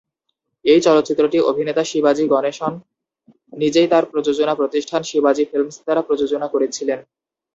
এই চলচ্চিত্রটি অভিনেতা শিবাজি গণেশন নিজেই তার প্রযোজনা প্রতিষ্ঠান শিবাজি ফিল্মস দ্বারা প্রযোজনা করেছিলেন।